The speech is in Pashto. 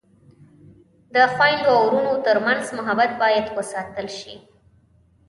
د خویندو او ورونو ترمنځ محبت باید وساتل شي.